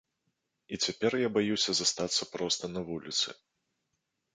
І цяпер я баюся застацца проста на вуліцы.